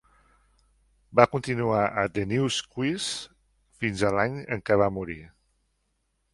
Va continuar a "The News Quiz" fins a l'any en què va morir.